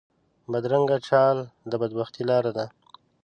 بدرنګه چال د بد بختۍ لاره ده